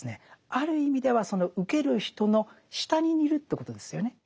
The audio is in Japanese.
ある意味ではその受ける人の下にいるということですよね。